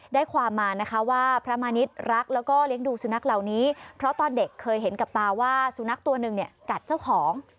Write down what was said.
ได้ความมานะคะว่าพระมณิษฐ์รักแล้วก็เลี้ยงดูสุนัขเหล่านี้เพราะตอนเด็กเคยเห็นกับตาว่าสุนัขตัวหนึ่งเนี่ยกัดเจ้าของ